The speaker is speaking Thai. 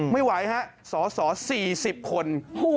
ไม่ไหวฮะสส๔๐คน